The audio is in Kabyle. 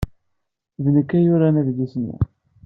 D nekk ay yuran adlis-nni.